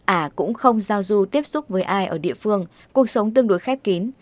ả cũng không giao du tiếp xúc với ai ở địa phương cuộc sống tương đối khép kín